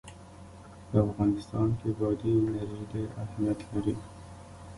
په افغانستان کې بادي انرژي ډېر اهمیت لري.